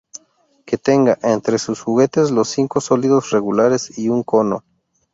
Que tenga, entre sus juguetes, los cinco sólidos regulares y un cono".